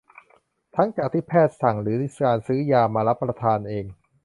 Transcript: ทั้งจากที่แพทย์สั่งหรือการซื้อยามารับประทานเอง